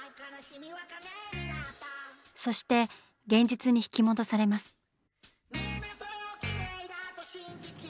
そして現実に引き戻されます。